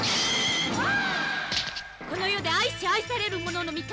この世で愛し愛される者の味方。